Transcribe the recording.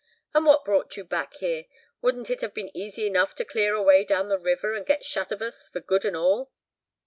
"And what brought you back here? Wouldn't it have been easy enough to clear away down the river, and get shut of us, for good and all?"